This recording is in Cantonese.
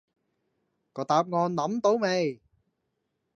個答案諗到未